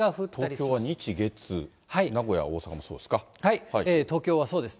東京は日、月、名古屋、大阪もそうですか。